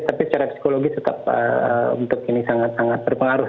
tapi secara psikologis tetap sangat terpengaruh